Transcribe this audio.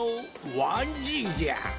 わんじいじゃ。